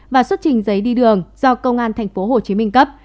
và xuất trình giấy đi đường do công an tp hcm cấp